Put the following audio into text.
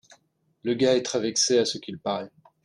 Le gars est très vexé à ce qu’il parait.